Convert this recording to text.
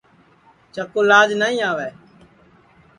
چکُو لاج نائی آوے